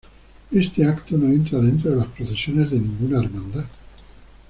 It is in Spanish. Este acto no entra dentro de las procesiones de ninguna hermandad.